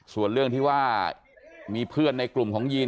ส่วนเรื่องที่ว่ามีเพื่อนในกลุ่มของยีน